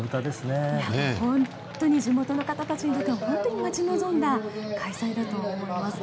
地元の方たちにとっては本当に待ち望んだ開催だと思います。